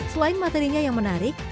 selain materinya yang menarik